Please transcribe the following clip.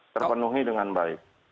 terpenuhi dengan baik